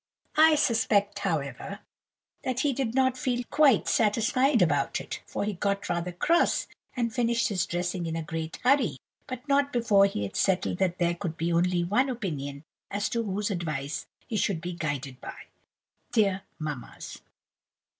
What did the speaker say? I suspect, however, that he did not feel quite satisfied about it, for he got rather cross, and finished his dressing in a great hurry, but not before he had settled that there could be only one opinion as to whose advice he should be guided by—dear mamma's.